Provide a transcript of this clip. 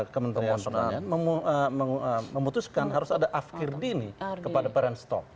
kementerian memutuskan harus ada afkir dini kepada parent stop